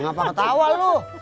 ngapain ketawa lu